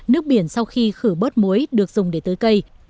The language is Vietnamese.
nước biển sau khi khử bớt muối được dùng để tưới cây